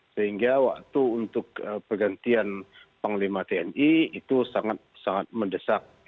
sehingga waktu untuk pergantian panglima tni itu sangat sangat mendesak